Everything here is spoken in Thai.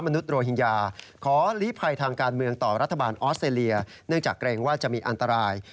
เนื่องจากเกรงว่าจะมีอันตราย